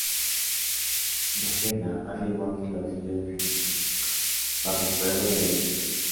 Mackenna afirmó que lo ""auxilió infinito...bajo el fuego del enemigo"".